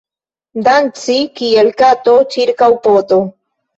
Danci kiel kato ĉirkaŭ poto.